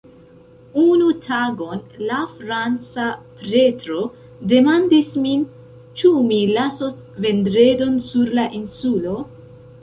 Unu tagon la franca pretro demandis min ĉu mi lasos Vendredon sur la insulo.